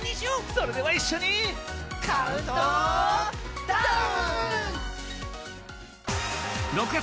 それでは一緒にカウントダウン！